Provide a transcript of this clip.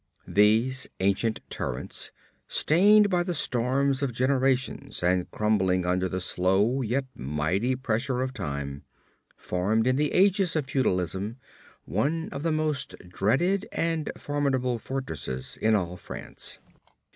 These ancient turrets, stained by the storms of generations and crumbling under the slow yet mighty pressure of time, formed in the ages of feudalism one of the most dreaded and formidable fortresses in all France.